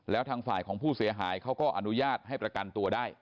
แล้วทางฝ่ายของผู้เสียหายเขาก็อนุญาตให้ประกันตัวได้